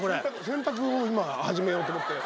洗濯を今始めようと思って。